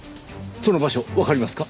その場所わかりますか？